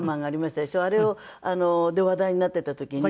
あれで話題になっていた時に。